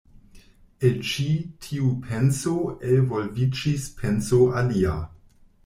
El ĉi tiu penso elvolviĝis penso alia.